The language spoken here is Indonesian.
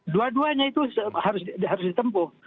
dua duanya itu harus ditempuh